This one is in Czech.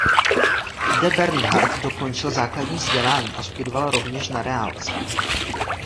Zde Bernhard dokončil základní vzdělání a studoval rovněž na reálce.